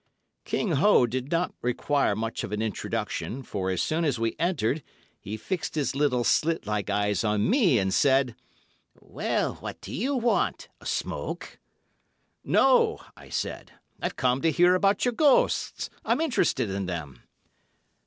King Ho did not require much of an introduction, for, as soon as we entered, he fixed his little slit like eyes on me and said: "Well, what do you want? A smoke?" "No," I said. "I've come to hear about your ghosts. I'm interested in them."